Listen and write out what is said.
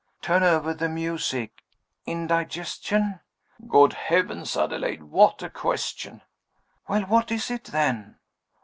"Turn over the music. Indigestion?" "Good heavens, Adelaide, what a question!" "Well, what is it, then?"